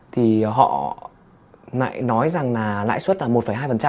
thì họ nói rằng là lãi suất là một